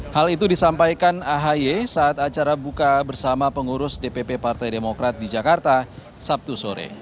hal itu disampaikan ahy saat acara buka bersama pengurus dpp partai demokrat di jakarta sabtu sore